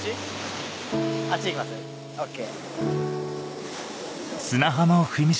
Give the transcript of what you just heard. あっち行きます？ＯＫ。